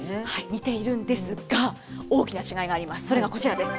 似ているんですが、大きな違いがあります。